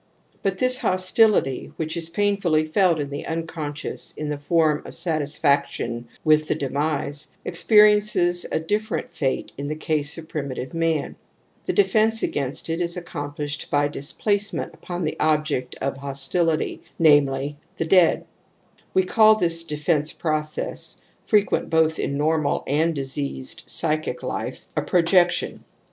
But this hostility which is painfully felt in the unconscious in the form of satisfaction with the demise, experiences a different fate in the case of primitive man : the^efence against it is accomplished Jbjv dis ^,/ n^ely^ p^C ULt\U the dead^ We calTthis^efence process, frequent ^ both in normal and diseased psychic life, a pro 104 TOTEM AND TABOO jection.